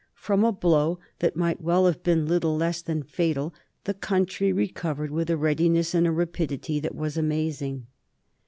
From a blow that might well have been little less than fatal the country recovered with a readiness and a rapidity that was amazing.